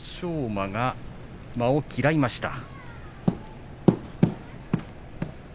馬が間を嫌いました。